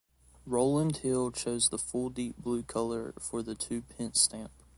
Rowland Hill chose the full deep blue colour for the two pence stamp.